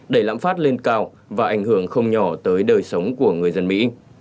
đẩy lãm phát lên cao và ảnh hưởng không nhỏ tới đời sống của người dân mỹ